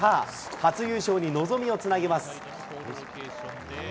初優勝に望みをつなげます。